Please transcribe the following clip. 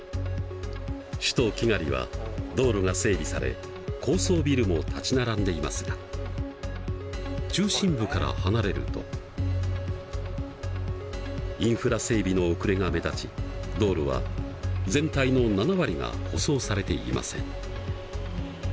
首都キガリは道路が整備され高層ビルも立ち並んでいますが中心部から離れるとインフラ整備の遅れが目立ち道路は全体の７割が舗装されていません。